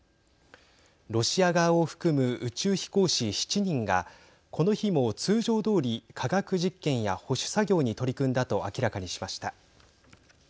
ロシア側を含む宇宙飛行士７人がこの日も通常どおり科学実験や保守作業に取り組んだと明らかにしました。